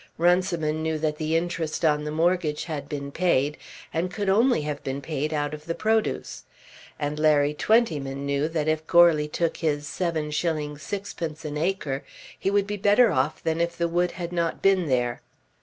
Runciman knew that the interest on the mortgage had been paid, and could only have been paid out of the produce; and Larry Twentyman knew that if Goarly took his 7_s._ 6_d._ an acre he would be better off than if the wood had not been there.